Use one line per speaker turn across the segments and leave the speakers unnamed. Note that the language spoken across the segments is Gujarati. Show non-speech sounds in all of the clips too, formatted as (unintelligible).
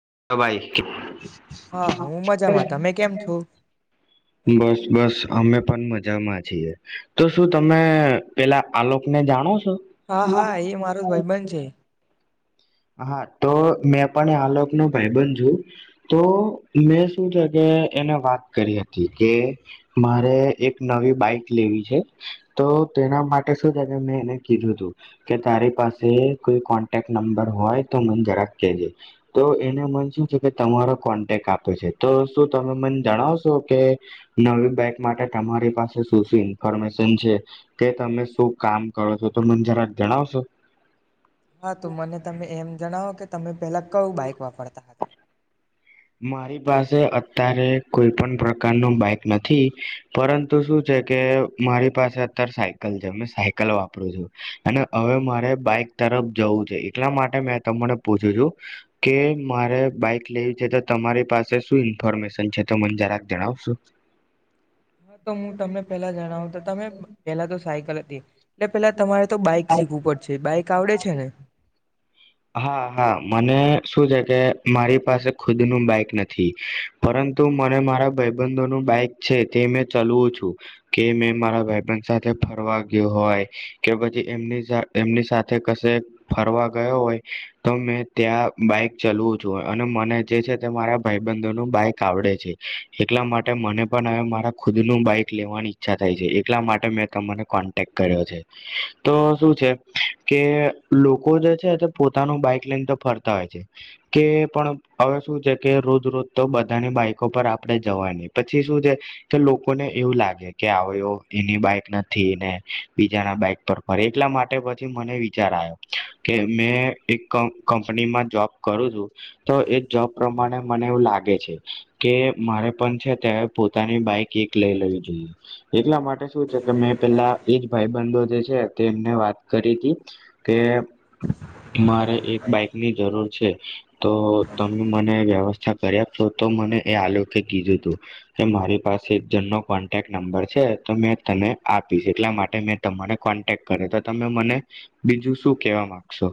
(unintelligible)
હા હું મજામાં તમે કેમ છો
બસ બસ અમે પણ મજામાં છીએ તો શું તમે પેલા આલોકને જાણો છો
હા, હા એ મારો જ ભાઈબંધ છે.
હા તો મેં પણ આ લોકનો ભાઈબધં છું. તો મેં શું છે કે એને વાત કરી હતી કે મારે એક નવી બાઈક લેવી છે, તો તેના માટે શું છે કે મેં એને કીધું તું કે તારી પાસે કોઈ કોન્ટેક્ટ નંબ ર હોય તો મન જરાક કેજે, તો એને મન શું ક્યે કે તમારો કોન્ટેક્ટ આપો છે, તો શું તમે મને જણાવશો કે નવી બાઈક માટે તમારી પાસે શું-શું ઇન્ફોર્મેશન છે, કે તમે શું કામ કરો છો તો મન જરાક જણાવશો.
હા તો મને તમે એમ જણાવો કે તમે પેલા કયું બાઈક વાપરતા?
મારી પાસે અત્યારે કોઈ પણ પ્રકાર નું બાઈક નથી, પરંતુ શું છે કે મારી પાસે અત્યાર સાયકલ છે, મેં સાયકલ વાપરું છું. અને હવે મારે બાઈક તરફ જવું છે. એટલા માટે મેં તમને પૂછું છું કે મારે બાઈક લેવી છે તો તમારી પાસે શું ઇન્ફોર્મેશન છે, તો મન જરાક જણાવશો?
હા તો હું તમને પેલા જણાવું, તો તમે પેલા તો સાયકલ હતી એટલે પેલા તમારે તો બાઈક શીખવું પડશે. બાઈક આવડે છે ને?
હા હા મને શું છે કે મારી પાસે ખુદનું બાઈક નથી, પરંતુ મને મારા ભાઈબંધોનું બાઈક છે, તે મેં ચલવું છું, કે મેં મારા ભાઈબંધ સાથે ફરવા ગયો હોય કે પછી એમની સાથ એમની સાથે કશે ફરવા ગયો હોય, તો મેં ત્યાં બાઈક ચલવું છું અને મને જે છે તે મારા ભાઈબંધો નો બાઈક આવડે છે. એટલા માટે મને પણ હવે મારા ખુદ નુ બાઈક લેવાની ઈચ્છા થાય છે. એટલા માટે મેં તને કોન્ટેક કર્યો છે. તો શું છે કે લોકો જે છે તે એ પોતાનું બાઈક લઈને તો ફરતા હોય છે, કે પણ હવે શું છે કે રોજ-રોજ તો બધાની બાઈકો પર આપણે જવા ની, પછી શું છે કે લોકોને એવું લાગે કે આવ્યો એની બાઈક નથી ને બી જાના બાઈક પર ફરે એટલા માટે પછી મને વિચાર આયો કે મેં એક કંપ કંપનીમાં જોબ કરું છું, તો એ જ જોબ પ્રમાણે મને એવું લાગે છે કે મારે પણ છે અત્યારે પોતાની બાઈક એક લઈ લેવી જોઈએ. એટલા માટે શું છે કે મેં પેલા એજ ભાઈબંધો જે છે તેમને વાત કરી તી. કે મારે એક બાઈકની જરૂર છે. તો તમે મને વ્યવસ્થા કરી આપશો. તો મને એ આ લોક કીધું તું કે મારી પાસે એક જણનો કોન્ટેક નંબર છે, તો મેં તને આપીશ એટલા માટે મેં તમને કોન્ટેક કર્યો. તો તમે મને બીજું શું કેવા માંગશો?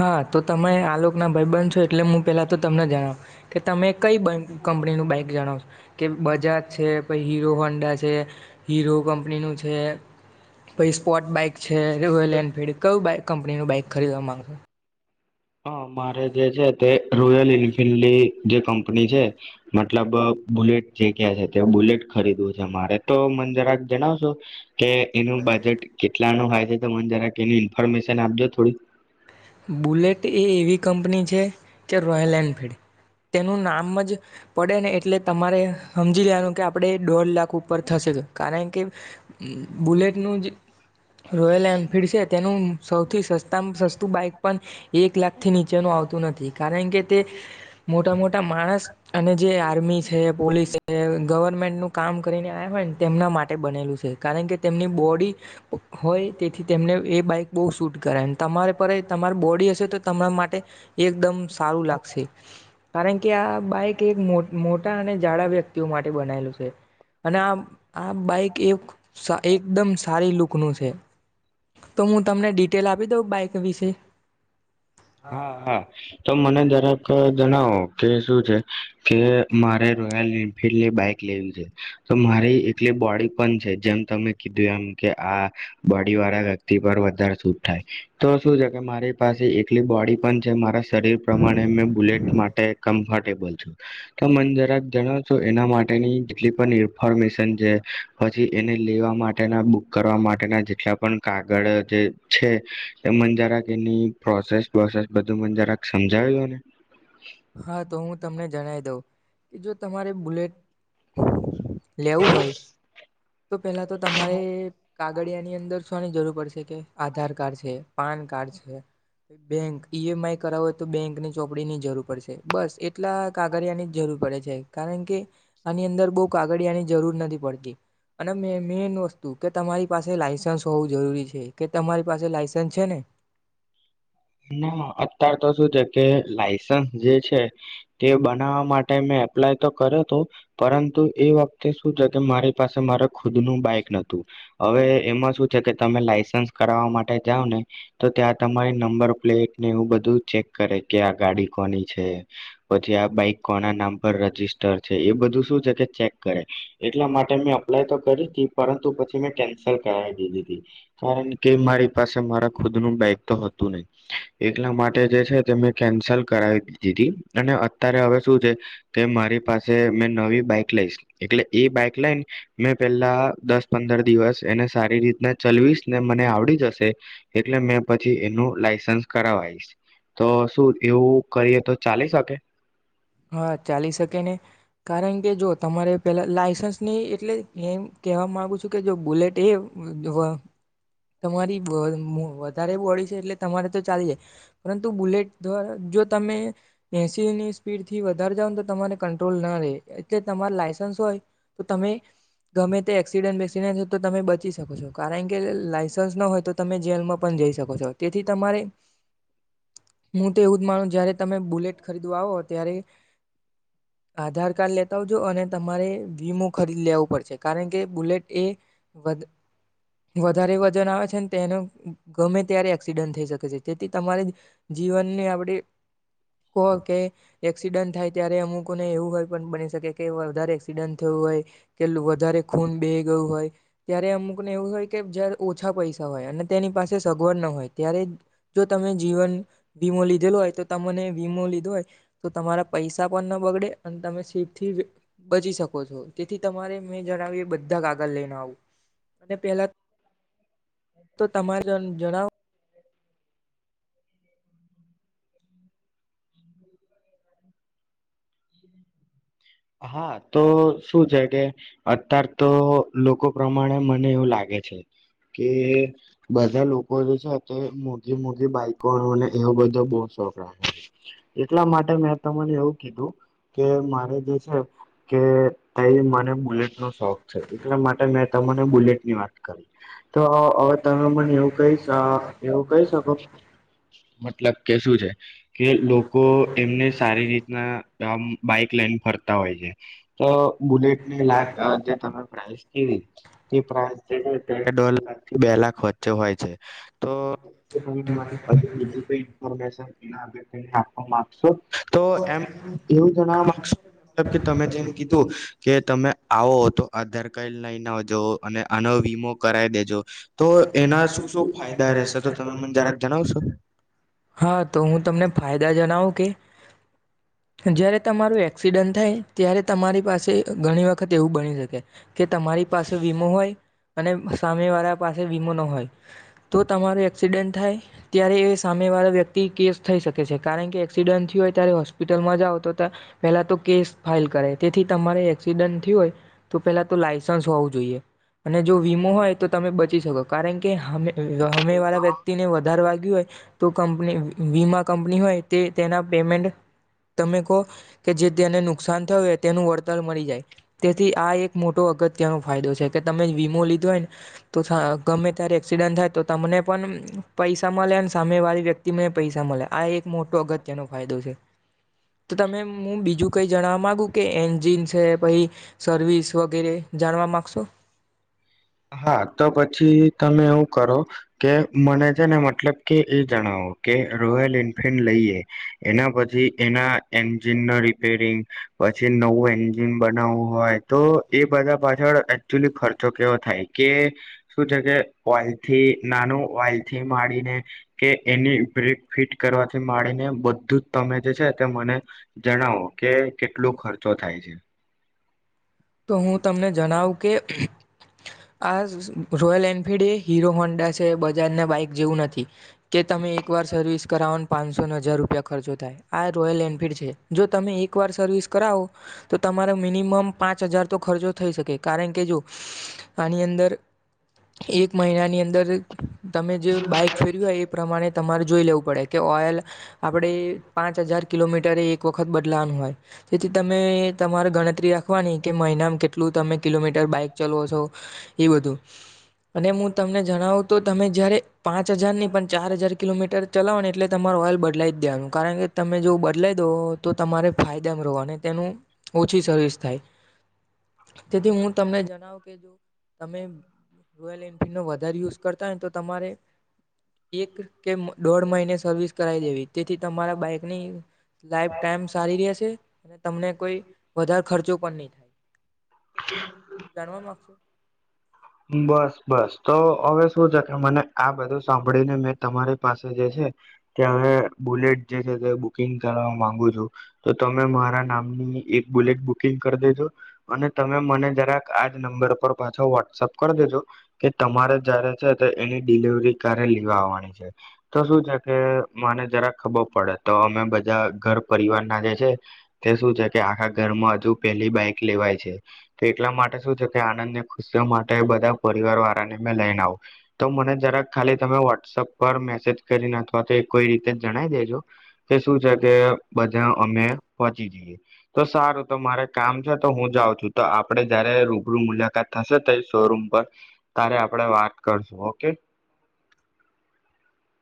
હા તો તમે આ લોક ના ભાઈબન છો એટલે હું પેલા તો તમને જણાવ કે તમે કંઈ બ કંપનીનું બાઈક જણાવશો કે બજાજ છે, પહી હીરો હોંડા છે, હીરો કંપનીનું છે. પહી સ્પોર્ટ બાઈક છે, રોયલ એનફિલ્ડ કયું, બાઈક કંપનીનું બાઈક ખરીદવા માંગો?
હા મારે જે છે એ રોયલ એન્ફિલ્ડે જે કંપની છે મતલબ બુલેટ જે કયા છે, તે બુલેટ ખરીદવું છે મારે, તો મન જરાક જણાવશો કે એનું બજેટ કેટલાનું હોય? એ તમ મન જરાક એની ઇન્ફોર્મેશન આપજો થોડી.
બુલેટ એ એવી કંપની છે જે રોયલ એનફીલ્ડ તેનું નામ જ પડે ને એટલે તમારે હમજી લેવાનું કે આપણે દોઢ લાખ ઉપર થશે, કારણ કે બુલેટનું જે રોયલ એનફિલ્ડ છે તેનું સૌથી સસ્તા સસ્તું બાઈક પણ એક લાખથી નીચેનું આવ નથી કારણ કે તે મોટા મોટા માણસ અને જે આર્મી છે પોલીસ છે ગવર્મેન્ટનું કામ કરીને આવ્યા હોય ને તેમના માટે બનેલું છે કારણ કે તેમની બોડી હોય તેથી તેમને એ બાઈક બહુ શૂટ કરાય તમારે પર એ તમારી બોડી હશે તો તમારા માટે એકદમ સારું લાગશે કારણ કે આ બાઈક એક મો મોટા અને જાડા વ્યક્તિઓ માટે બનાયલું છે તે અને આ આ બાઈક એ સા એકદમ સારી લૂકનું છે તો હું તમને ડિટેલ આપી દઉં બાઈક વિશે
હા હા તો મને તરફ જણાવો કે શું છે કે મારે રોયલ એન્ફિલ્ડની બાઈક લેવી છે. તો મારી એકલી બોડી પણ છે જેમ તમે કીધું એમ કે આ બોડી વાળા વ્યક્તિ પર વધારે સૂટ થાય તો શું છે કે મારી પાસે એકલી બોડી પણ છે મારા શરીર પ્રમાણે મેં બુલેટ માટે કમ્ફર્ટેબલ છું તો મન જરાક જણાવ છો એના માટેની જેટલી પણ ઇન્ફોર્મેશન જે પછી એને લેવા માટેના બુક કરવા માટેના જેટલા પણ કાગળ જે છે એ મને જરાક એની પ્રોસેસ પ્રોસેસ બધું મને જરાક સમજાવ્યો ને
હા તો હું તમને જણાવ દઉં કે જો તમારે બુલેટ લેવું હોય તો પેલા તો તમારે કાગળિયાની અંદર શોની જરૂર પડશે કે આધાર કાર્ડ છે પાન કાર્ડ છે બેંક ઈ એમ આઈ કરાવો હોય તો બેંકની ચોપડીની જરૂર પડશે બસ એટલા કાગળિયાની જ જરૂર પડે છે કારણ કે આની અંદર બહુ કાગળિયાની જરૂર નથી પડતી અને મેન મેન વસ્તુ કે તમારી પાસે લાયસન્સ હોવું જરૂરી છે કે તમારી પાસે લાયસન્સ છે ને
ના અત્યાર તો શું છે કે લાઈસન્સ જે છે તે બનાવા માટે મેં એપ્લાય તો કર્યો હતો પરંતુ એ વખતે શું છે કે મારી પાસે મારે ખુદનું બાઈક નતું હવે એમાં શું છે કે તમે લાયસન્સ કરાવવા માટે જાઓ ને તો ત્યાં તમારી નંબર ને એ બધું ચેક કરે કે આ ગાડી કોની છે પછી આ બાઈક કોના નામ પર રજીિસ્ટર છે એ બધું શું છે કે ચેક કરે એટલા માટે મેં અપ્લાય તો કરી હતી પરંતુ પછી મેં કેન્સલ કરાવી દીધી હતી કારણ કે મારી પાસે મારા ખુદનું બાઈક તો હતું નહી એટલા માટે મેં કેન્સલ કરાવી દીધી અને અત્યારે હવે શું છે કે મારી પાસે મે નવી બાઈક લઈશ એટલે એ બાઈક લાઈન મેં પેલા દસ પંદર દિવસ એને સારી રીતના ચલવીશ ને મને આવડી જશે એટલે મેં પછી એનું લાઈસ સં કરાવાય તો શું એવું કરીએ તો ચાલી શકે.
હા ચાલી શકે નને કારણ કે જો તમારે પેલા લાયસન્સ નહી એટલે એમ કહેવા માગુ છું કે જો બુલેટ એ તમારીઅ વ વધારે બોડી છે એટલે તમારે તો ચાલી જાય પરંતુ બુલેટ દ્વારા જો તમે એસીની સ્પીડ થી વધારે જાવને તો તમારે કંટ્રોલ ના રહે એટલે તમારે લાઈસન્સ હોય તો તમે ગમે તે એક્સિડેન્ટ વેસસીડેન્ટ તો તમે બચી શકો છો કારણ કે લાઈસન્સ ના હોય તો તમે જેલમાં પણ જઈ શકો છો તેથી તમારે હું તો એવું જ માનું જયારે તમે બુલેટ ખરીદવા આવો આધાર કાર્ડ લેતા આવજો અને તમારે વીમો ખરીદ લેવું પડશે કારણ કે બુલેટ એ વધ વધારે વજન આવે છે તેનો ગમે ત્યારે એક્સિડન્ટ થઈ શકે છે તેથી તમારે જીવનને આપડ કહો કે એક્સિડન્ટ થાય ત્યારે અમુકો ને એવું હોય પણ બની શકે કે વધારે એક્સિડન્ટ થયું હોય કે વધારે ખૂન બેહી ગયું હોય ત્યારે અમુકને એવું હોય કે જારે ઓછા પૈસા હોય અને તેની પાસે સગવડ ન હોય ત્યારે જો તમે જીવન વીમો લીધેલું હોય તો તમને વીમો લીધો હોય તો તમારા પૈસા પણ ન બગડે અને તમે સિફ થી બચી શકો છો તેથી તમારે મેં જણાવ્યું એ બધા કાગળ લઈને આવું અને પહેલા તો તમારે જ જણાવો
હા તો શું છે કે અત્યાર તો લોકો પ્રમાણે મને એવું લાગે છે કે બધા લોકો જે છે તે મોઘી મોઘી બાઈકોને એવો બધો બહુ શોખ રાખે છે એટલા માટે મેં તમને એવું કીધું કે મારે કે છે કે મને બુલેટ નો શોખ છે એટલા માટે મેં તમને બુલેટની વાત કરી તો હવે તમે મને એવું ક એવું કહી શકો મતલબ કે શું છે કે લોકો એમને સારી રીતના આમ બાઈક લઈને ફર તાં હોય છે તો બુલેટની લ જે તમે પ્રઇસ કીધ તે પ્રાઇસ તે દોઢ લાખથી બે લાખ વચ્ચે હોય છે તો તમે મ બીજી કોઈ ઈફોમેશન ના (unintelligible) આપવા માંગશો તો એમ એવું જણાવવા મા (inaudible) મતલબ કે તમે જેમ કીધું કે તમે આવો તો આધાર કાર્ડ લઈને આવજો અને આનો વીમો કરાવી દેજો તો એના શું શું ફાયદા રહેશે તો તમે મને જરાક જણાવશો
હા તો હું તમને ફાયદા જણાવું કે જયારે તમારું એક્સિડન્ટ થાય ત્યારે તમારી પાસે ઘણી વખત એવું બની શકે કે તમારી પાસે વીમો હોય અને સામે વાળા પાસે વીમો ન હોય તો તમારું એક્સિડન્ટ થાય ત્યારે એ સામે વાળો વ્યક્તિ કેસ થઈ શકે છે કારણ કે એક્સિડન્ટ થયુ હોય ત્યારે હોસ્પિટલમાં જાઓ તો પેલા તો કેસ ફાઇલ કરે તેથી તમારે એક્સિડન્ટ થયુ હોય તો પેલા તો લાયસન્સ હોવું જોઈએ અને જો વીમો હોય તો તમે બચી શકો કારણ કે હા હામે વાળા વ્યક્તિ ને વધારે વાગ્યું હોય તો કંપની વીમા કંપની હોય તે તેના પેમેન્ટ તમે કહો કે જે તેને નુકસાન થયું હોય તેનું વળતર મળી જાય તેથી આ એક મોટો અગત્યનો ફાયદો છે કે તમે વીમો લીધો હોય ને તો ગમે ત્યારે એક્સિડન્ટ થાય તો તમને પણ પૈસામાં મલે ને સા મે વાળી વ્યક્તિ મને પૈસા મળે આ એક મોટો અગત્યનો ફાયદો છે તો તમે હું બીજું કઈ જણવા માંગુ કે એન્જિન છે પછી સર્વિસ વગેરે જાણવા માંગશો
હા, તો પછી તમે એવું કરો કે, મને છે ને મતલબ કે એ જણાવો કે રોયલ એન્ફિલ્ડ લઈએ. એના પછી એના એન્જિન ન રિપેરિંગ, પછી નવું એન્જિન બનાવવું હોય, તો એ બધા પાછળ એકચુલી ખર્ચો કેવો થાય કે શું છે કે, ઓઇલથી નાનું ઓઇલ થી માંડીને કે એની બ્રેક ફિટ કરવાથી માંડીને બધું જ તમે જે છે તે મને જણાવો કે કેટલુ ખર્ચો થાય છે.
તો હું તમને જણાવ કે, આ રોયલ એન્ફિલડી એ હીરો હોન્ડા છે બજાજને બાઈક જેવું નથી. કે તમે એકવાર સર્વિસ કરાવોને. પાંચસોને હજાર રૂપિયા ખર્ચો થાય આ રોયલ એનફિલ્ડ છે. જો તમે એક વાર સર્વિસ કરાવો તો તમારા મિનિમમ પાંચ હજાર તો ખર્ચો થઈ શકે, કારણ કે જો આની અંદર એક મહિનાની અંદર તમે જે બાઈક ફેર્યું હોય એ પ્રમાણે તમારે જોઈ લેવું પડે છે. કે ઓયલ આપડે પાંચ હજાર કિલોમીટર એક વખત બ પ્લાન હોય. તેથી તમે તમારે ગણતરી વાની, કે મહિનામાં કેટલું તમે કિલોમીટર બાઈક ચાલવો છો એ બધું અને હું તમને જણાવું તો તમે જયારે પાંચ હજાર ની પણ ચાર હજાર કિલોમીટર ચલાવો ને એટલે તમારુ ઓઇલ બદલાય ત્યાનું કારણ કે તમે જો બદલાઈ દો, તો તમારે ફાયદામાં રહો અને તેનું ઓછી સર્વિસ થાય. જેથી હું તમને જણાવુ. કે જો તમે રોયલ એનફિલ્ડનો વધારે યુઝ કરતા તમે ઓઈલનો વધારે યુઝ કરતા હોય તો તમારે એક કે દોઢ મહિને સર્વિસ કરાવી દેવી તેથી તમારા બાઈકની લાઈફ ટાઈમ સારી રહેશે. તમને કોઈ વધારે ખર્ચો કોની જાણવા માંગશો.
બસ બસ તો હવે શું છે કે મને આ બધું સાંભળીને મેં તમારી પાસે જે છે તે હવે બુલેટ જે છે તે બુકિંગ કરવા માંગુ છું તો તમે મારા નામની એક બુલેટ બુકિંગ કરી દેજો અને તમે મને જરાક આજ નંબર પર પાછો વોટ્સપ કર દેજો કે તમારે જ્યારે છે એની ડિલવરી ક્યારે લેવા આવવાની છે તો શું છે કે મને જરાક ખબર પડે તો અમે બધા ઘર પરિવાર ના જે છે તે શું છે કે આખા ઘરમાં હજુ પેલી બાઈક લેવાય છે તો એટલા માટે શું છે કે આનંદ ને ખુશીઓમા એ બધા પરિવાર વાળાને મે લઈને આવું તો મને જરાક ખાલી તમે વોટ્સઅપ પર મેસેજ કરીને અથવા તો કોઈ રીતે જણાવ દેજો કે શું છે કે બધા અમે પહોંચી જઈએ તો સારું તો મારે કામ છે તો હું જાઉં છું તો આપણે જયારે રૂબરૂ મુલાકાત થશે તો ઈ શોરૂમ પર ત્ત્યારે આપણે વાત કરશું ઓકે.